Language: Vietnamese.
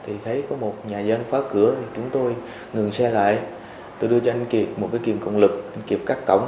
thì thấy có một nhà dân khóa cửa thì chúng tôi ngừng xe lại tôi đưa cho anh kiệt một cái kìm cộng lực anh kiệt cắt cổng